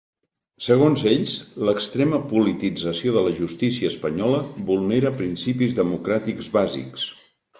Segons ells, ‘l’extrema politització de la justícia espanyola vulnera principis democràtics bàsics’.